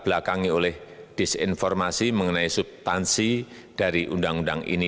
belakangi oleh disinformasi mengenai subtansi dari undang undang ini